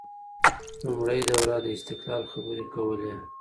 لومړۍ دوره د استقلال خبرې کولې